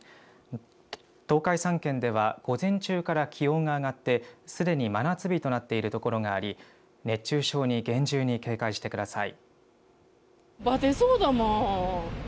東海３県では午前中から気温が上がっていてすでに真夏日となっているところがあり熱中症に厳重に警戒してください。